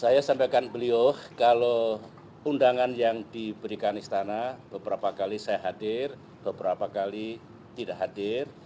saya sampaikan beliau kalau undangan yang diberikan istana beberapa kali saya hadir beberapa kali tidak hadir